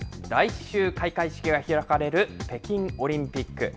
来週、開会式が行われる北京オリンピック。